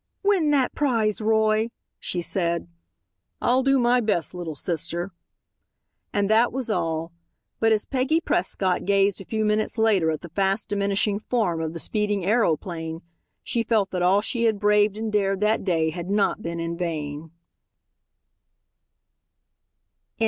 "Win that prize, Roy," she said. "I'll do my best, little sister." And that was all, but as Peggy Prescott gazed a few minutes later at the fast diminishing form of the speeding aeroplane she felt that all she had braved and dared that day had not been in vain.